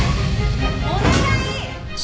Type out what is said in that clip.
お願い！